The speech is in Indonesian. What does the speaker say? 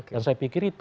dan saya pikir itu